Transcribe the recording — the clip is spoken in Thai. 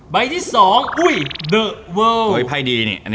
ใบที่๒อุ้ยเดอะเวิร์ล